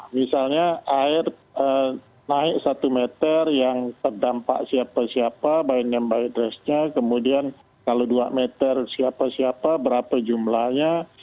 misalnya air naik satu meter yang terdampak siapa siapa baiknya baiknya kemudian kalau dua meter siapa siapa berapa jumlahnya